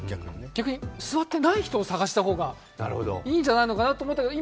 逆に据わってない人を探した方がいいんじゃないかと思ったけど。